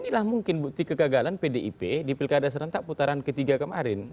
inilah mungkin bukti kegagalan pdip di pilkada serentak putaran ketiga kemarin